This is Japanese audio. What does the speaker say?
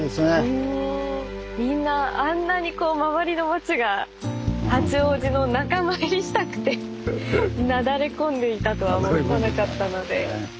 みんなあんなにこう周りの町が八王子の仲間入りしたくてなだれ込んでいたとは思わなかったので。